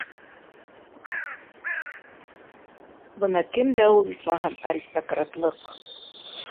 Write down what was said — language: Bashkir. Бына кемдә ул исмаһам аристократлыҡ!